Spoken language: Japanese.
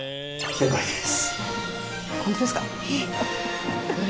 正解です。